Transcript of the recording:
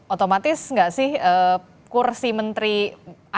otomatis nggak sih kursi menteri agama